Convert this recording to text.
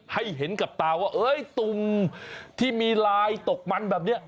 ให้เห็นกับตาว่าตุ่มที่มีลายตกมันแบบนี้